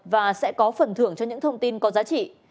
và sẽ có phần thưởng cho những thông tin có giá trị